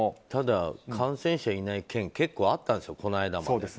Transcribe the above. ただ感染者いない県結構あったんですよ、この前も。